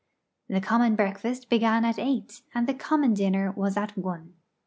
The common breakfast began at eight, and the common dinner was at one.